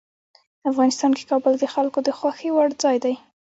افغانستان کې کابل د خلکو د خوښې وړ ځای دی.